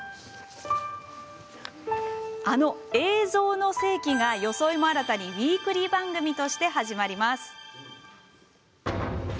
あの「映像の世紀」が装いも新たにウイークリー番組として始まります。